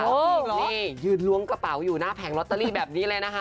นี่ยืนล้วงกระเป๋าอยู่หน้าแผงลอตเตอรี่แบบนี้เลยนะคะ